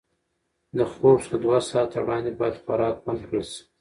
د خوب څخه دوه ساعته وړاندې باید خوراک بند کړل شي.